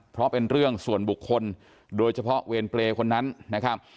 เพราะเป็นเรื่องส่วนบุคคลโดยเฉพาะเวรเปรย์คนนั้นนะครับ